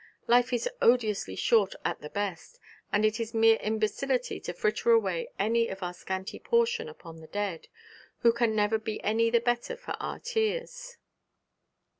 Life is odiously short at the best, and it is mere imbecility to fritter away any of our scanty portion upon the dead, who can never be any the better for our tears.'